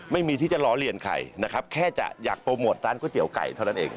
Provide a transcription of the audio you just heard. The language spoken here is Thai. ไม่มีที่จะล้อเลียนใครนะครับแค่จะอยากโปรโมทร้านก๋วยเตี๋ยวไก่เท่านั้นเอง